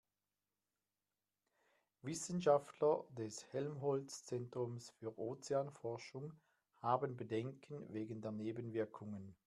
Wissenschaftler des Helmholtz-Zentrums für Ozeanforschung haben Bedenken wegen der Nebenwirkungen.